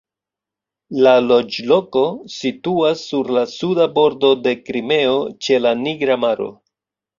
La loĝloko situas sur la Suda Bordo de Krimeo ĉe la Nigra maro.